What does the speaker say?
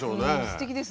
すてきですね。